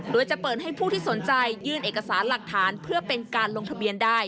โดยจะเปิดให้ผู้ที่สนใจยื่นเอกสารหลักฐานเพื่อเป็นการลงทะเบียนได้